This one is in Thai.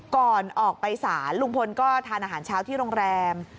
ก่อนออกไปศาลลุงพลก็ทานอาหารเช้าที่โรงแรม